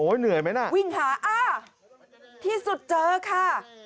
เหนื่อยไหมน่ะวิ่งหาอ่าที่สุดเจอค่ะ